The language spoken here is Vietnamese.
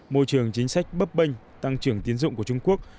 môi trường chính sách bấp bênh tăng trưởng tiến dụng của trung quốc